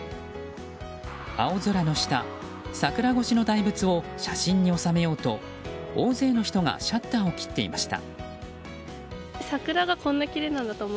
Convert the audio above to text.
青空の下、桜越しの大仏を写真に収めようと大勢の人がシャッターを切っていました。